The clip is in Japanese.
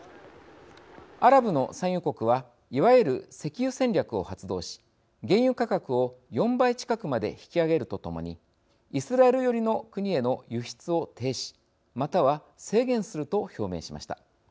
アラブの産油国はいわゆる石油戦略を発動し原油価格を４倍近くまで引き上げるとともにイスラエル寄りの国への輸出を停止または、制限すると表明しました。